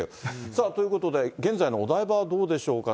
さあ、ということで、現在のお台場はどうでしょうか。